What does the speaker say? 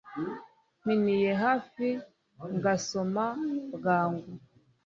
Mpiniye hafi ngasoma bwangu